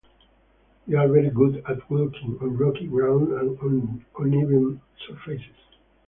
They are very good at walking on rocky ground and uneven surfaces.